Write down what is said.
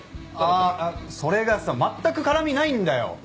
あそれがさ全く絡みないんだよ。